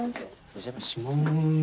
お邪魔します。